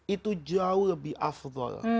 itu jauh lebih afdhol